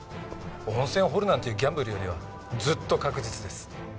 温泉を掘るなんていうギャンブルよりはずっと確実です。